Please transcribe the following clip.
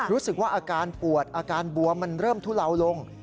รู้สึกว่าอาการปวดอาการบัวมันเริ่มทุเลาลง